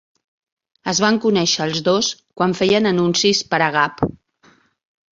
Es van conèixer els dos quan feien anuncis per a Gap.